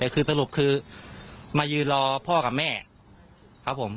คือสรุปคือมายืนรอพ่อกับแม่ครับผม